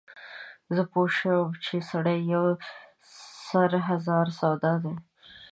زه پوی شوم چې سړی یو سر هزار سودا دی.